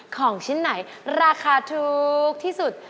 ของชิ้นไหนราคาถูกที่สุด